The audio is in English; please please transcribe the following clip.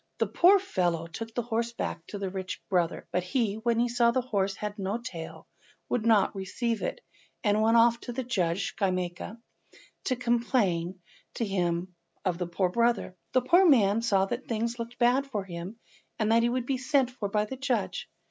The poor fellow took the horse back to his rich brother, but he, when he saw that the horse had no tail, would not receive it, and went off to the judge Schemyaka to complain to him of the poor brother. The poor man saw that things looked bad for him, and that he would be sent for by the judge.